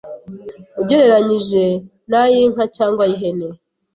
ugereranyije n’ay’inka cyangwa ay’ihene